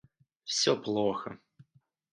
Всё плохо